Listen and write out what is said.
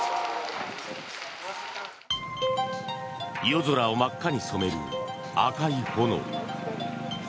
夜空を真っ赤に染める赤い炎。